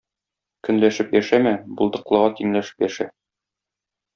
Көнләшеп яшәмә, булдыклыга тиңләшеп яшә.